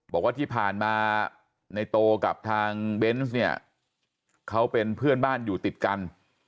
บอกว่าที่ผ่านมาในโตกับทางเบนส์เนี่ยเขาเป็นเพื่อนบ้านอยู่ติดกัน